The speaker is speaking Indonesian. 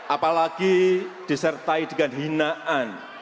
apalagi disertai dengan hinaan